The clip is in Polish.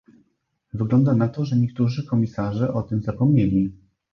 Wygląda na to, że niektórzy komisarze o tym zapomnieli